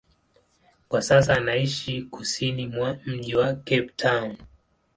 Kwa sasa anaishi kusini mwa mji wa Cape Town.